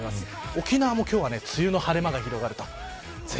沖縄も今日は梅雨の晴れ間が広がります。